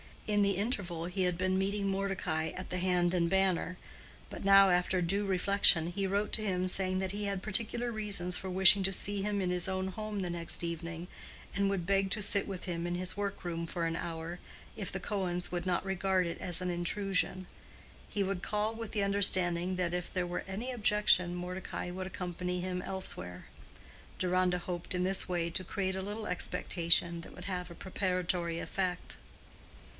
In the interval, he had been meeting Mordecai at the Hand and Banner, but now after due reflection he wrote to him saying that he had particular reasons for wishing to see him in his own home the next evening, and would beg to sit with him in his workroom for an hour, if the Cohens would not regard it as an intrusion. He would call with the understanding that if there were any objection, Mordecai would accompany him elsewhere. Deronda hoped in this way to create a little expectation that would have a preparatory effect.